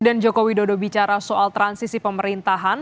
dan jokowi dodo bicara soal transisi pemerintahan